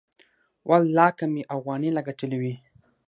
ولله که مې اوغانۍ لا گټلې وي.